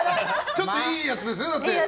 ちょっといいやつですよね。